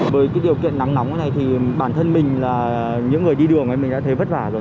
với cái điều kiện nắng nóng này thì bản thân mình là những người đi đường ấy mình đã thấy vất vả rồi